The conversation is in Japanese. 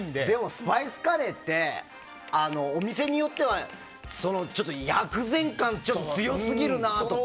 スパイスカレーってお店によっては薬膳感が強すぎるなとか。